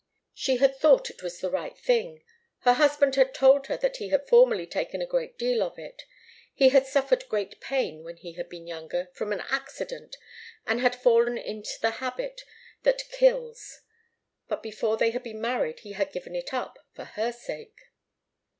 She had thought it was the right thing. Her husband had told her that he had formerly taken a great deal of it. He had suffered great pain when he had been younger, from an accident, and had fallen into the habit that kills. But before they had been married he had given it up for her sake.